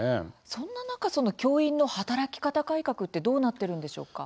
そんな中その教員の働き方改革ってどうなってるんでしょうか？